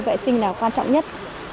vệ sinh là quan trọng nhất